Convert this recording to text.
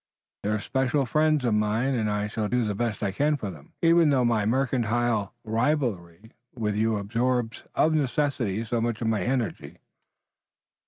They're especial friends of mine, and I shall do the best I can for them, even though my mercantile rivalry with you absorbs, of necessity, so much of my energy."